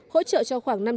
hỗ trợ cho khoảng